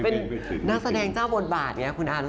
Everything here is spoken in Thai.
เป็นนักแสดงเจ้าบทบาทไงคุณอัน